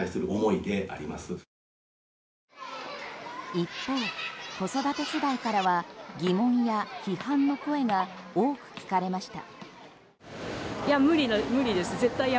一方、子育て世代からは疑問や批判の声が多く聞かれました。